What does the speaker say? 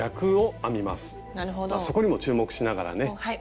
そこにも注目しながらね。